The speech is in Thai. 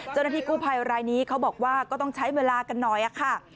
เจ้าหน้าที่กู้ภัยรายนี้เขาบอกว่าก็ต้องใช้เวลากันหน่อยค่ะ